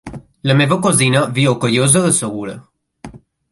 La meva cosina viu a Callosa de Segura.